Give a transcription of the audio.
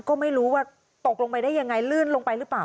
ก็ไม่รู้ว่าตกลงไปได้ยังไงลื่นลงไปหรือเปล่า